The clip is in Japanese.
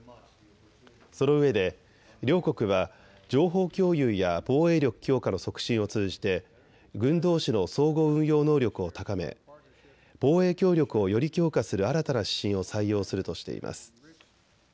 そのうえで両国は情報共有や防衛力強化の促進を通じて軍どうしの相互運用能力を高め防衛協力をより強化する新たな指針を採用するとしています。